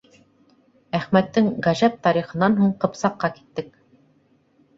Әхмәттең ғәжәп тарихынан һуң Ҡыпсаҡҡа киттек.